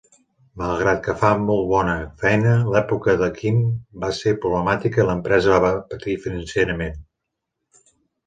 Malgrat que va fer molta bona feina, l'època den Kean va ser problemàtica i l'empresa va patir financerament.